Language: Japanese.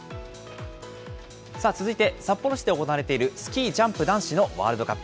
続いて、札幌市で行われているスキージャンプ男子のワールドカップ。